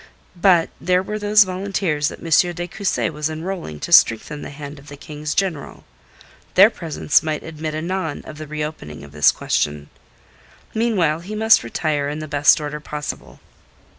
But there were those volunteers that M. de Cussy was enrolling to strengthen the hand of the King's General. Their presence might admit anon of the reopening of this question. Meanwhile he must retire in the best order possible.